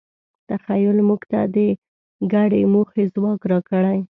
تخیل موږ ته د ګډې موخې ځواک راکړی.